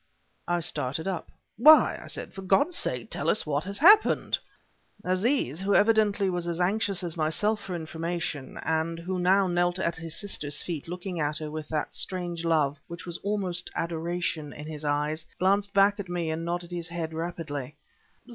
I started up. "Why?" I said. "For God's sake tell us what has happened!" Aziz who evidently was as anxious as myself for information, and who now knelt at his sister's feet looking at her with that strange love, which was almost adoration, in his eyes, glanced back at me and nodded his head rapidly.